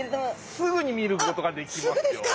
すぐに見ることができますよ。